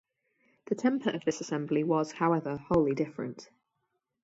The temper of this assembly was, however, wholly different.